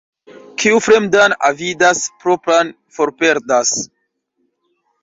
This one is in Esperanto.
Kiu fremdan avidas, propran forperdas.